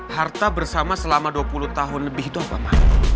harta bersama selama dua puluh tahun lebih itu apa pak